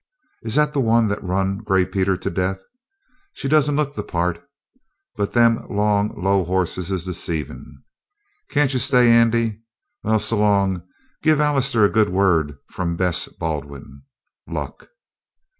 "Is that the one that run Gray Peter to death? She don't look the part, but them long, low hosses is deceivin'. Can't you stay, Andy? Well, s'long. And give Allister a good word from Bess Baldwin. Luck!"